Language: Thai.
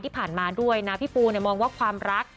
ที่ผ่านมาด้วยนะพี่ปูมองว่าความรัก